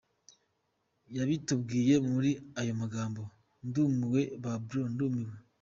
Yabitubwiye muri aya magambo: « ndumiwe ba bro, ndumiye!